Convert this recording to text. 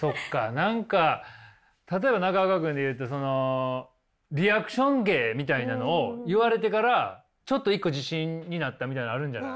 何か例えば中岡君で言うとそのリアクション芸みたいなのを言われてからちょっと一個自信になったみたいなのあるんじゃない？